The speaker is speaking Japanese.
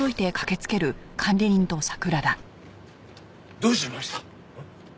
どうしました？